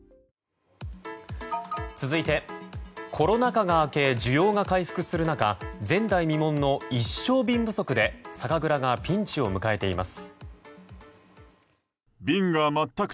続いて、コロナ禍が明け需要が回復する中前代未聞の一升瓶不足で酒蔵がピンチを迎えています。